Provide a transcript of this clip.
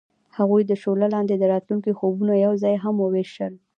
هغوی د شعله لاندې د راتلونکي خوبونه یوځای هم وویشل.